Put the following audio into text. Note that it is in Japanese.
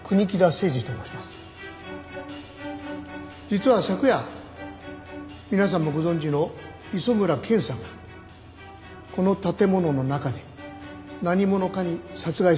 実は昨夜皆さんもご存じの磯村健さんがこの建物の中で何者かに殺害されました。